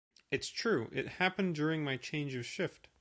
It's true, it happened during my change of shift.